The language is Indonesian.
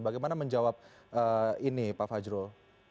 bagaimana menjawab ini pak fajrul